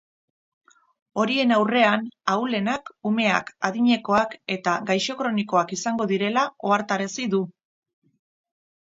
Horien aurrean ahulenak umeak, adinekoak eta gaixo kronikoak izango direla ohartarazi du.